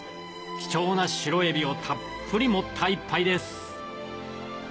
貴重な白えびをたっぷり盛った一杯です